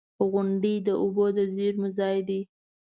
• غونډۍ د اوبو د زیرمو ځای دی.